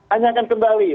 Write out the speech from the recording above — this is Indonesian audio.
hanya akan kembali